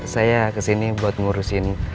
saya kesini buat ngurusin